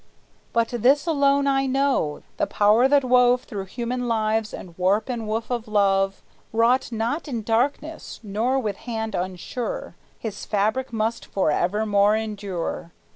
But this alone I know: the power that wove Through human lives the warp and woof of love Wrought not in darkness, nor with hand unsure; His fabric must forevermore endure.